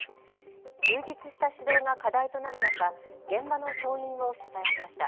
充実した指導が課題となる中、現場の教員を取材しました。